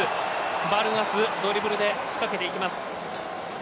ヴァルガスドリブルで仕掛けていきます。